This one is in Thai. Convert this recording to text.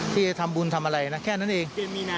ที่จะทำบุญทำอะไรนะแค่นั้นเอง